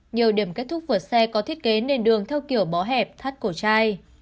nhiều điểm kết thúc vượt xe có thiết kế nền đường theo kiểu bó hẹp thắt cổ trai